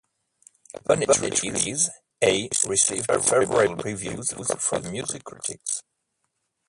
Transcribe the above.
Upon its release, "A" received favorable reviews from music critics.